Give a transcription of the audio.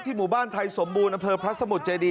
หมู่บ้านไทยสมบูรณ์อำเภอพระสมุทรเจดี